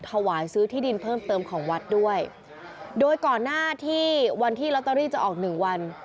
ถวายซื้อที่ดินเพิ่มเติมของวัดด้วยโดยก่อนหน้าที่วันที่ลอตเตอรี่จะออกหนึ่งวัน